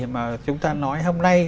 mà chúng ta nói hôm nay